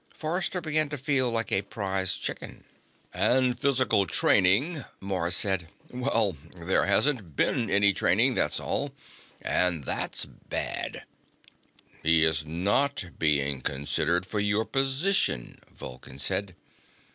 Forrester began to feel like a prize chicken. "And physical training," Mars said. "Well, there hasn't been any training, that's all. And that's bad." "He is not being considered for your position," Vulcan said.